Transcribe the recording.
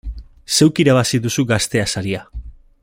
Zeuk irabazi duzu Gaztea saria!